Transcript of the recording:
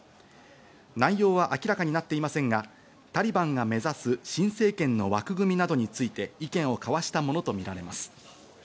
内容は明らかになっていませんが、タリバンが目指す新政権の枠組みなどについて意見を交わしたものとみられます。